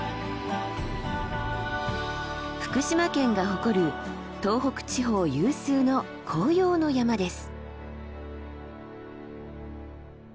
福島県が誇る東北地方有数の紅葉の山です。